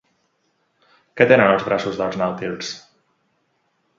Què tenen els braços dels nàutils?